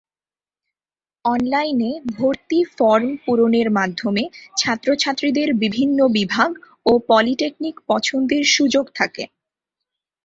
অনলাইনে ভর্তি ফর্ম পূরণের মাধ্যমে ছাত্রছাত্রীদের বিভিন্ন বিভাগ ও পলিটেকনিক পছন্দের সুযোগ থাকে।